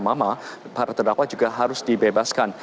mama para terdakwa juga harus dibebaskan